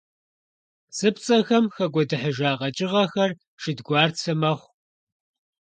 ПсыпцӀэхэм хэкӀуэдыхьыжа къэкӀыгъэхэр шэдгуарцэ мэхъу.